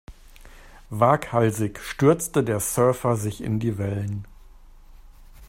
Waghalsig stürzte der Surfer sich in die Wellen.